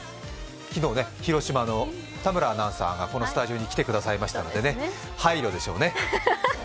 昨日、広島の田村アナウンサーがこのスタジオに来てくださいましたので配慮でしょうね。